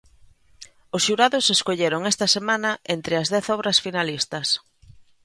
Os xurados escolleron esta semana entre as dez obras finalistas.